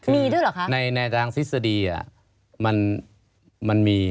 มีด้วยหรือคะฐในทางศิษย์ดีมันมี